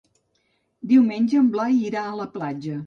Diumenge en Blai irà a la platja.